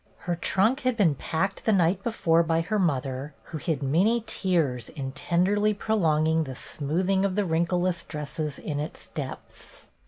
Her trunk had been packed the night before by her mother, who hid many tears in tenderly prolonging the smoothing of the wrinkleless dresses in its depths.